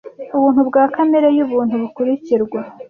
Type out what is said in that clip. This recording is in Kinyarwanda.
ubuntu bwa kamere yubuntu bukurikirwa